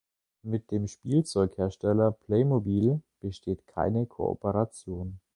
Mit dem Spielzeughersteller Playmobil besteht keine Kooperation.